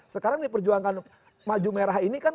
sekarang diperjuangkan maju merah ini kan